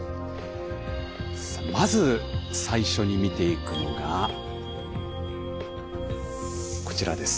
まず最初に見ていくのがこちらです。